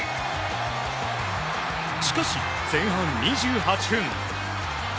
しかし、前半２８分。